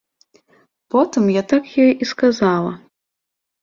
Потым я так ёй і сказала.